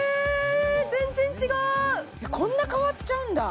全然違うこんな変わっちゃうんだ